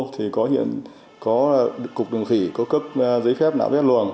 thì có hiện có cục đường thủy có cấp giấy phép nạo vét luồng